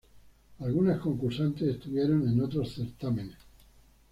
Algunas concursantes estuvieron en otros certámenes.